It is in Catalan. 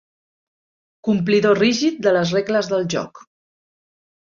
Complidor rígid de les regles del joc.